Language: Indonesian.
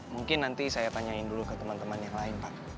mungkin nanti saya tanyain dulu ke teman teman yang lain pak